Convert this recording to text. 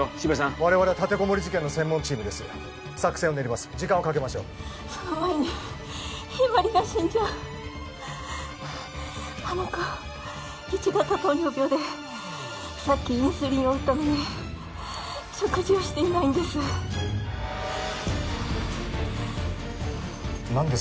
我々は立てこもり事件の専門チームです作戦を練ります時間をかけましょうその前に日葵が死んじゃうあの子Ⅰ型糖尿病でさっきインスリンを打ったのに食事をしていないんです何です？